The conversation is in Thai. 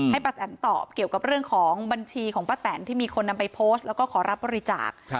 ป้าแตนตอบเกี่ยวกับเรื่องของบัญชีของป้าแตนที่มีคนนำไปโพสต์แล้วก็ขอรับบริจาค